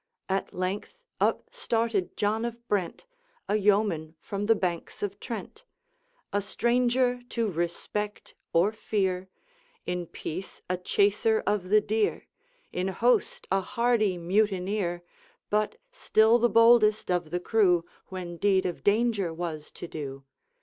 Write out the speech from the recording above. At length up started John of Brent, A yeoman from the banks of Trent; A stranger to respect or fear, In peace a chaser of the deer, In host a hardy mutineer, But still the boldest of the crew When deed of danger was to do.